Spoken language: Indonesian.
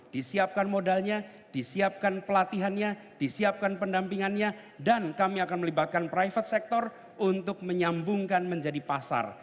disiapkan modalnya disiapkan pelatihannya disiapkan pendampingannya dan kami akan melibatkan private sector untuk menyambungkan menjadi pasar